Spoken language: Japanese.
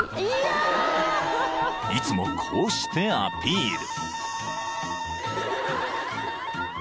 ［いつもこうしてアピール］